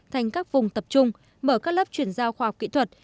thành các vùng tập trung mở các lớp chuyển giao khoa học kỹ thuật